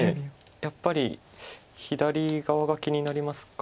やっぱり左側が気になりますか。